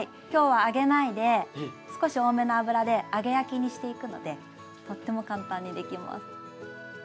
今日は揚げないで少し多めの油で揚げ焼きにしていくのでとっても簡単にできます。